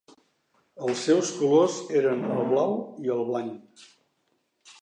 Els seus colors eren el blau i el blanc.